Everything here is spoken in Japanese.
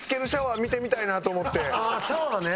ああシャワーね。